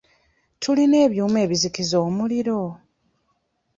Tulina ebyuma ebizikiza omuliro?